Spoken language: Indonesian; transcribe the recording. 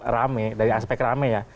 rame dari aspek rame ya